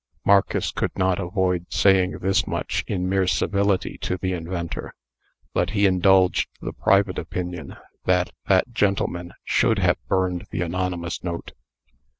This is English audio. Marcus could not avoid saying this much in mere civility to the inventor, but he indulged the private opinion that that gentleman should have burned the anonymous note.